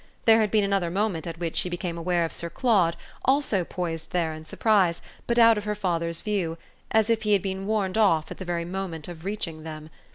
There had been another moment at which she became aware of Sir Claude, also poised there in surprise, but out of her father's view, as if he had been warned off at the very moment of reaching them.